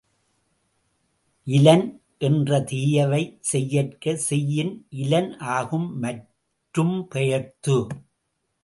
இலன் என்று தீயவை செய்யற்க செய்யின் இலன் ஆகும் மற்றும் பெயர்த்து.